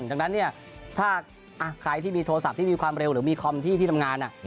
ดังนั้นถ้าใครที่มีโทรศัพท์ที่มีความเร็วหรือมีคอมที่ที่ทำงาน